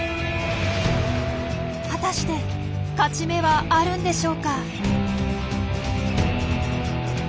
果たして勝ち目はあるんでしょうか。